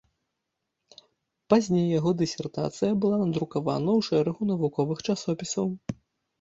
Пазней яго дысертацыя была надрукавана ў шэрагу навуковых часопісаў.